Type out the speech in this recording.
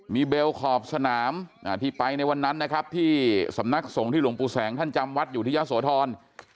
มีเบลขอบสนามที่ไปในวันนั้นนะครับที่สำนักสงฆ์ที่หลวงปู่แสงท่านจำวัดอยู่ที่ยะโสธร